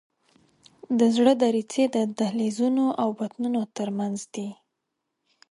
د زړه دریڅې د دهلیزونو او بطنونو تر منځ دي.